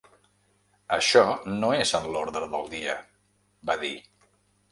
Això no és en l’ordre del dia, va dir.